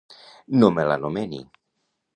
No me l'anomeni!